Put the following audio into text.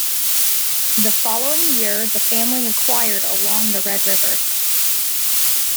The following year the family acquired along the Red River.